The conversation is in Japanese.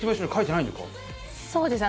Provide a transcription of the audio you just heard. そうですね。